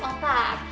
salah satunya ini nih